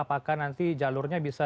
apakah nanti jalurnya bisa